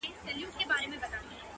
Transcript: د نېستۍ قصور یې دی دغه سړی چي,